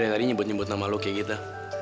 jangan nyambut nyambut sama lu kayak gitu